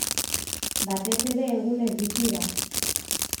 Batez ere egunez bizi da.